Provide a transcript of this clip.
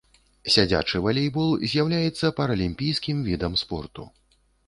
Сядзячы валейбол з'яўляецца паралімпійскім відам спорту.